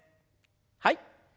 はい。